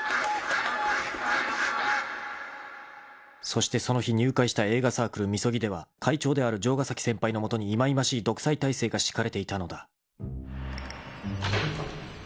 ［そしてその日入会した映画サークル「ＭＩＳＯＧＩ」では会長である城ヶ崎先輩の下にいまいましい独裁体制が敷かれていたのだ］